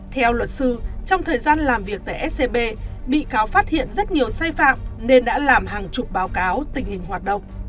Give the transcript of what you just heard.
theo luật sư trong thời gian làm việc tại scb bị cáo phát hiện rất nhiều sai phạm nên đã làm hàng chục báo cáo tình hình hoạt động